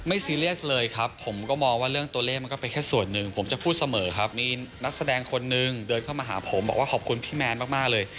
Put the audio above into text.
ซีเรียสเลยครับผมก็มองว่าเรื่องตัวเลขมันก็เป็นแค่ส่วนหนึ่งผมจะพูดเสมอครับมีนักแสดงคนนึงเดินเข้ามาหาผมบอกว่าขอบคุณพี่แมนมากเลย